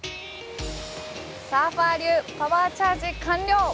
サーファー流パワーチャージ完了！